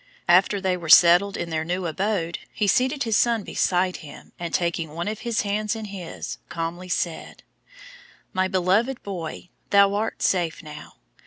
After they were settled in their new abode, he seated his son beside him and taking one of his hands in his, calmly said: "My beloved boy, thou art now safe.